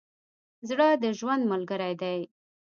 زړه د ژوند ملګری دی.